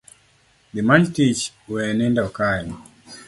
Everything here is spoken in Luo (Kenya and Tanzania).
Dhi many tiich we ndindo kae